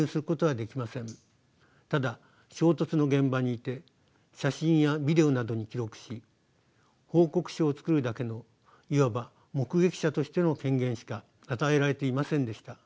ただ衝突の現場にいて写真やビデオなどに記録し報告書を作るだけのいわば目撃者としての権限しか与えられていませんでした。